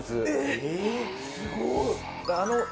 すごい！